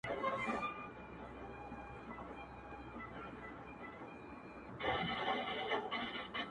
خیالي ځوانان راباندي مري خونکاره سومه؛